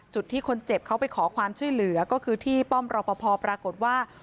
จุดที่คนเจ็บเขาไปขอความช่วยเหลือก็คือที่ป้อมรอปภปรากฏว่า